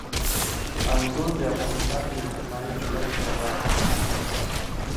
انګور د افغانستان د اجتماعي جوړښت یوه برخه ده.